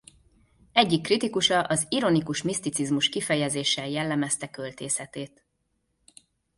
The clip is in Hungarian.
Egyik kritikusa az ironikus-miszticizmus kifejezéssel jellemezte költészetét.